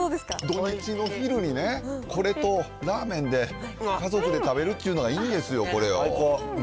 土日の昼にね、これとラーメンで家族で食べるっていうのがいいんですよ、これを最高。